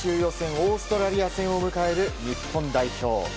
オーストラリア戦を迎える日本代表。